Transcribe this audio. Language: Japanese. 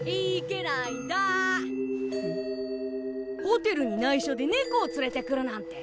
ホテルに内緒でネコを連れてくるなんて。